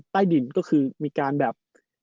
ใต้ดินก็คือมีการแบบ